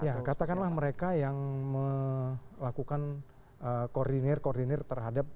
ya katakanlah mereka yang melakukan koordinir koordinir terhadap